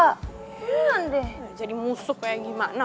kenan deh gak jadi musuh kayak gimana